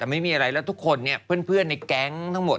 แต่ไม่มีอะไรแล้วทุกคนเนี่ยเพื่อนในแก๊งทั้งหมด